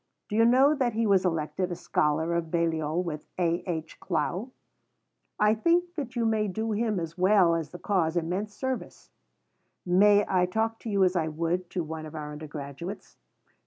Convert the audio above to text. Do you know that he was elected a scholar of Balliol with A. H. Clough? I think that you may do him as well as the cause immense service. May I talk to you as I would to one of our undergraduates?